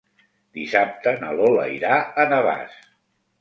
Dissabte na Lola irà a Navàs.